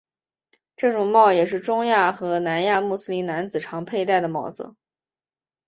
这种帽也是中亚和南亚穆斯林男子常佩戴的帽子。